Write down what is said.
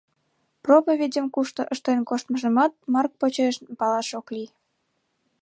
Проповедьым кушто ыштен коштмыжымат, Марк почеш, палаш ок лий.